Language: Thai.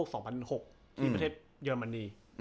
ที่ประเทศเยอรมนี